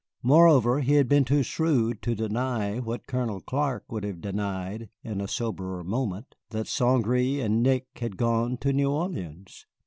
Moreover, he had been too shrewd to deny what Colonel Clark would have denied in a soberer moment, that St. Gré and Nick had gone to New Orleans.